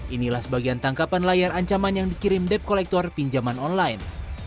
inilah sebagian tangkapan layar ancaman yang dikirim dep kolektor pinjaman online